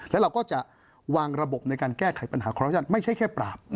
แล้วเราก็จะวางระบบในการแก้ไขปัญหาคอรัติไม่ใช่แค่ปราบ